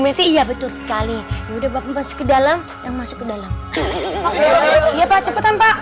messi iya betul sekali udah masuk ke dalam yang masuk ke dalam cepetan pak